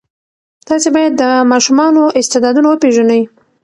تاسې باید د ماشومانو استعدادونه وپېژنئ.